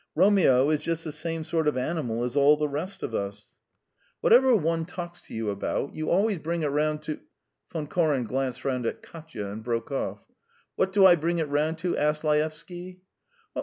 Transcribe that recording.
Romeo is just the same sort of animal as all the rest of us." "Whatever one talks to you about, you always bring it round to ..." Von Koren glanced round at Katya and broke off. "What do I bring it round to?" asked Laevsky.